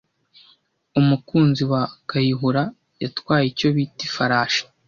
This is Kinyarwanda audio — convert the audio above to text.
Umukunzi wa Kayihura yatwaye icyo bita ifarashi